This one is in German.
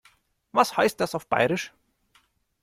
Was heißt das auf Bairisch?